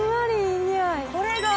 これが。